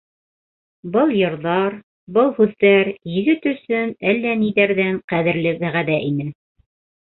Был йырҙар, был һүҙҙәр егет өсөн әллә ниҙәрҙән ҡәҙерле вәғәҙә ине.